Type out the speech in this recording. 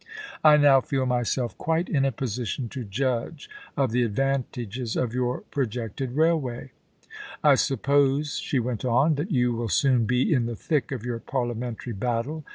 I now feel myself quite in a position to judge of the advantages of your projected railway. ... I suppose,* she went on, * that you will soon be in the thick of your Parliamentary battle.